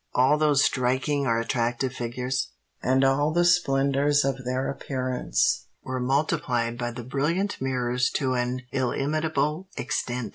All those striking or attractive figures, and all the splendours of their appearance, were multiplied by the brilliant mirrors to an illimitable extent.